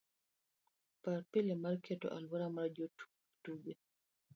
par pile mar keto aluora mar jotuki tuge